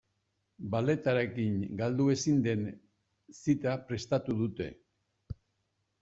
Balletarekin galdu ezin den zita prestatu dute.